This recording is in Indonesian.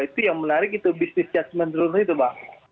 itu yang menarik itu bisnis caceman dulu itu bang